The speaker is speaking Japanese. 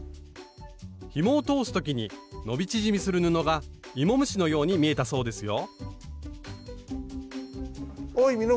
ひもを通す時に伸び縮みする布がイモムシのように見えたそうですよ